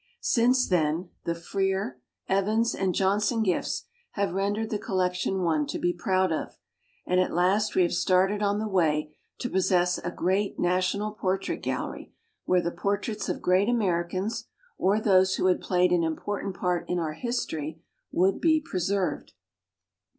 Since then, the Freer, Evans, and Johnson gifts have rendered the col lection one to be proud of; and at last we have started on the way to possess a great National Portrait Gal lery where the portraits of great Americans, or those who had played an important part in our history, would be preserved.